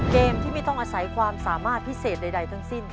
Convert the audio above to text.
เกมที่ไม่ต้องอาศัยความสามารถพิเศษใดทั้งสิ้น